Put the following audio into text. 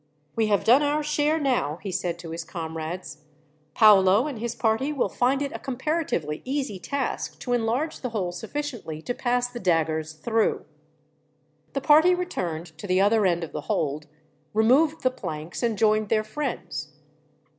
"We have done our share now," he said to his comrades. "Paolo and his party will find it a comparatively easy task to enlarge the hole sufficiently to pass the daggers through." The party returned to the other end of the hold, removed the planks, and joined their friends.